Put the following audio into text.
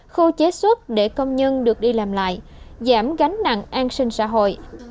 khu chế xuất để công nhân được đi làm lại giảm gánh nặng an sinh xã hội